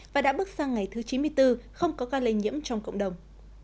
và đã bước sang ngày thứ chín mươi bốn không có ca lây nhiễm trong cộng đồng